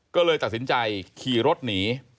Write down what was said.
ก็เลยตัดสินใจขี่รถหนี